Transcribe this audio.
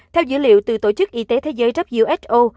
theo dữ liệu từ tổ chức y tế thế giới who